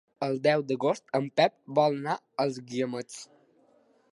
El deu d'agost en Pep vol anar als Guiamets.